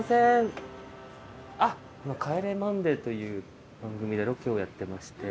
今『帰れマンデー』という番組でロケをやってまして。